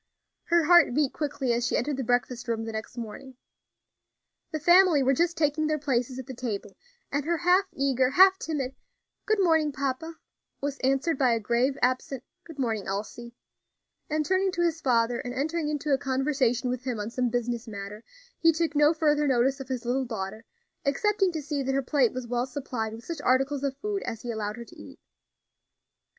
Her heart beat quickly as she entered the breakfast room the next morning. The family were just taking their places at the table, and her half eager, half timid "Good morning, papa," was answered by a grave, absent "Good morning, Elsie," and turning to his father and entering into a conversation with him on some business matter, he took no further notice of his little daughter, excepting to see that her plate was well supplied with such articles of food as he allowed her to eat.